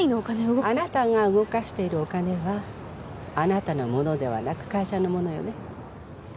あなたが動かしているお金はあなたのものではなく会社のものよね。